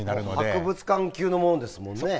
博物館級のものですもんね。